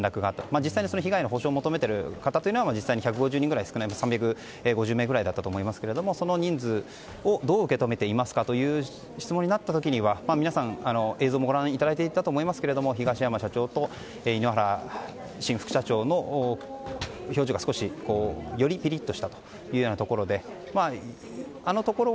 実際に被害の補償を求めているのは１５０名ぐらい少ない３５０名くらいだったと思いますが、その人数をどう受け止めていますかという質問になった時には皆さんも映像をご覧になっていたかと思いますが東山社長と井ノ原新副社長の血圧はちゃんとチェック！